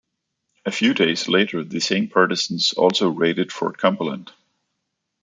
A few days later, the same partisans also raided Fort Cumberland.